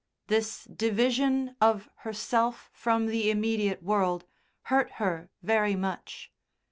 This division of herself from the immediate world hurt her very much.